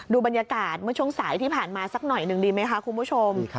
บรรยากาศเมื่อช่วงสายที่ผ่านมาสักหน่อยหนึ่งดีไหมคะคุณผู้ชม